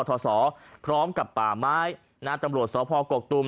ท่านพรุ่งนี้ไม่แน่ครับ